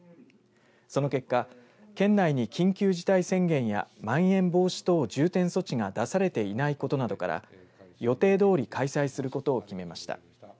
その結果、県内に緊急事態宣言やまん延防止等重点措置が出されていないことなどから予定どおり開催することを決めました。